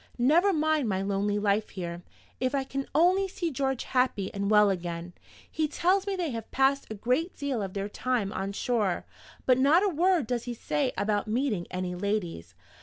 Never mind my lonely life here, if I can only see George happy and well again! He tells me they have passed a great deal of their time on shore; but not a word does he say about meeting any ladies.